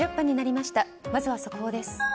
まずは速報です。